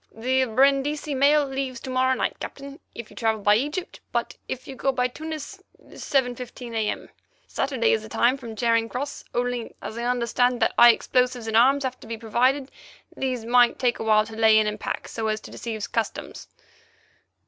"The Brindisi mail leaves to morrow night, Captain, if you travel by Egypt, but if you go by Tunis, 7.15 a.m. Saturday is the time from Charing Cross. Only, as I understand that high explosives and arms have to be provided, these might take awhile to lay in and pack so as to deceive customs."